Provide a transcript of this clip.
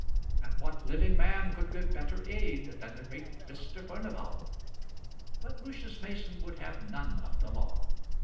And what living man could give better aid than the great Mr. Furnival? But Lucius Mason would have none of the law.